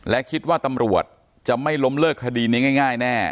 และคิดว่าตำรวจจะไม่ล้มเลิกคดีนี้ง่ายแน่